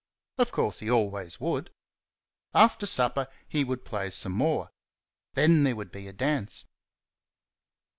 Of course, he always would. After supper he would play some more. Then there would be a dance.